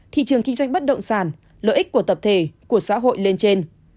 thị trường kinh doanh bất động sản lợi ích của tập thể của xã hội lên trên